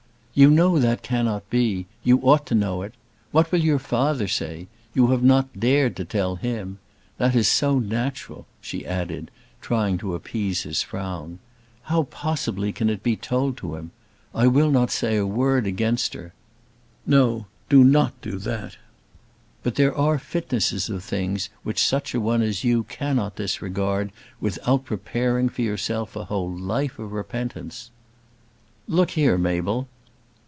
"You know that cannot be. You ought to know it. What will your father say? You have not dared to tell him. That is so natural," she added, trying to appease his frown. "How possibly can it be told to him? I will not say a word against her." "No; do not do that." "But there are fitnesses of things which such a one as you cannot disregard without preparing for yourself a whole life of repentance." "Look here, Mabel."